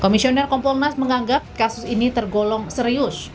komisioner kompolnas menganggap kasus ini tergolong serius